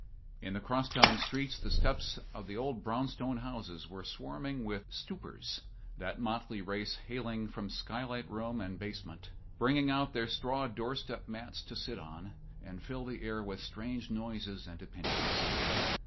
In the cross town streets the steps of the old brownstone houses were swarming with "stoopers," that motley race hailing from sky light room and basement, bringing out their straw door step mats to sit and fill the air with strange noises and opinions.